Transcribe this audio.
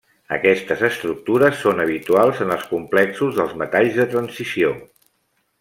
Aquestes estructures són habituals en els complexos dels metalls de transició.